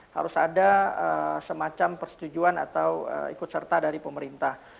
harus ada semacam persetujuan atau ikut serta dari pemerintah